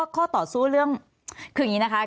ข้อต่อสู้เรื่องคืออย่างนี้นะคะ